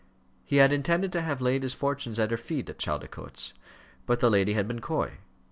He had intended to have laid his fortunes at her feet at Chaldicotes; but the lady had been coy.